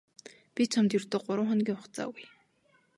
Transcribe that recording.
Би чамд ердөө гурав хоногийн хугацаа өгье.